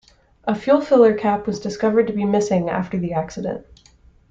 A fuel filler cap was discovered to be missing after the accident.